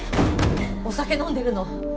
お酒飲んでるの？